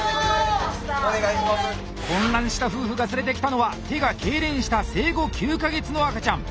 混乱した夫婦が連れてきたのは手が痙攣した生後９か月の赤ちゃん。